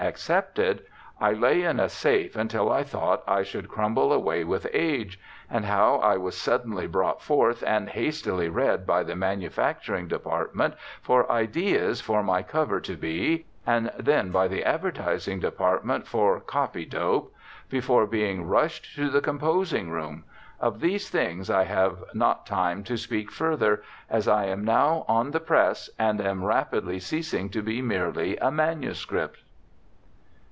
"accepted," I lay in a safe until I thought I should crumble away with age; and how I was suddenly brought forth and hastily read by the manufacturing department for ideas for my cover to be, and then by the advertising department for "copy dope," before being rushed to the composing room of these things I have not time to speak further, as I am now on the press, and am rapidly ceasing to be merely a manuscript.